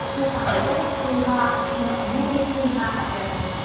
プロ野球は今年のＭＶＰが発表されました。